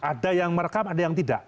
ada yang merekam ada yang tidak